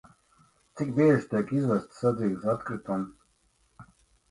Cik bieži tiek izvesti sadzīves atkritumi?